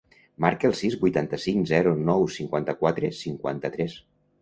Marca el sis, vuitanta-cinc, zero, nou, cinquanta-quatre, cinquanta-tres.